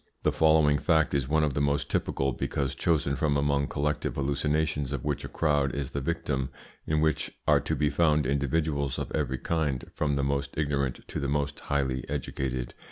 The following fact is one of the most typical, because chosen from among collective hallucinations of which a crowd is the victim, in which are to be found individuals of every kind, from the most ignorant to the most highly educated.